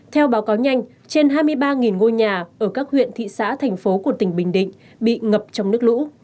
theo báo cáo nhanh trên hai mươi ba ngôi nhà ở các huyện thị xã thành phố của tỉnh bình định bị ngập trong nước lũ